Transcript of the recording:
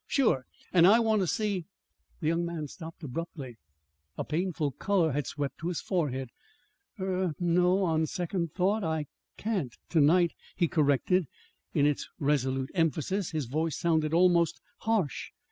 "Sure! And I want to see " The young man stopped abruptly. A painful color had swept to his forehead. "Er no. On second thoughts I I can't to night," he corrected. In its resolute emphasis his voice sounded almost harsh.